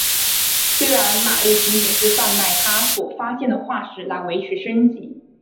虽然玛丽仅仅是贩卖她所发现的化石来维持家计。